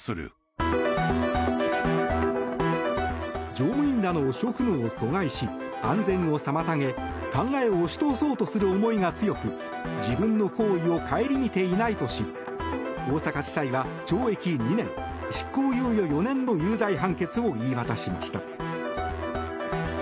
乗務員らの職務を阻害し安全を妨げ考えを押し通そうとする思いが強く自分の行為を省みていないとし大阪地裁は懲役２年、執行猶予４年の有罪判決を言い渡しました。